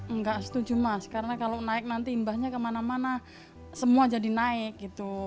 enggak setuju mas karena kalau naik nanti imbahnya kemana mana semua jadi naik gitu